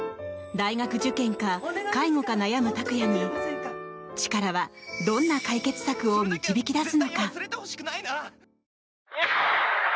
大学受験か介護か悩む託也にチカラはどんな解決策を導き出すのか。